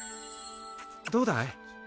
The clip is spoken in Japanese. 「どうだい？」